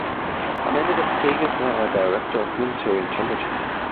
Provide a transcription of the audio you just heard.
Am Ende des Krieges war er „Director of Military Intelligence“.